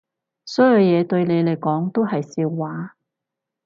所有嘢對你嚟講都係笑話